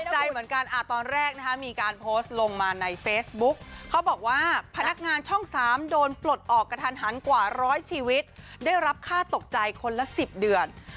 ตอนแรกนะคะมีการโพสต์ลงมาในเฟซบุ๊กเขาบอกว่าพนักงานช่อง๓โดนปลดออกกระทันหันกว่าร้อยชีวิตได้รับค่าตกใจคนละ๑๐เดือน